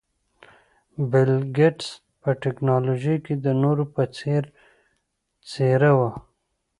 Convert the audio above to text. بل ګېټس په ټکنالوژۍ کې د نورو په څېر څېره وه.